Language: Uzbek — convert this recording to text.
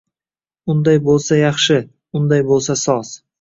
Unday bo’lsa, yaxshi, unday bo’lsa soz.